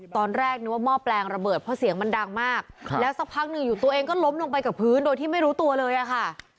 ตอนแรกนึกว่าหม้อแปลงระเบิดเพราะเสียงมันดังมากแล้วสักพักหนึ่งอยู่ตัวเองก็ล้มลงไปกับพื้นโดยที่ไม่รู้ตัวเลยอะค่ะ